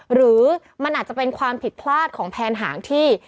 หรือมันอาจจะเป็นความผิดพลาดของแผนหางที่